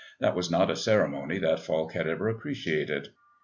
That was not a ceremony that Falk had ever appreciated.